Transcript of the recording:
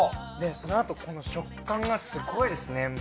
でそのあとこの食感がすごいですね。